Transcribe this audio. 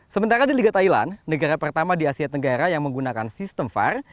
sementara di liga thailand negara pertama di asia tenggara yang menggunakan sistem var